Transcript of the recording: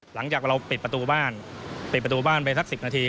หลังจากเราปิดประตูบ้านปิดประตูบ้านไปสัก๑๐นาที